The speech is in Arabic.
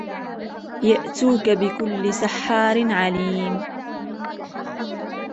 يَأْتُوكَ بِكُلِّ سَحَّارٍ عَلِيمٍ